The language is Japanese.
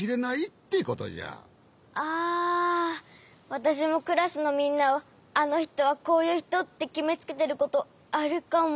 わたしもクラスのみんなをあのひとはこういうひとってきめつけてることあるかも。